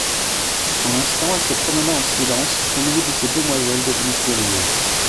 Un instant, elle se promena en silence, au milieu de ces demoiselles devenues sérieuses.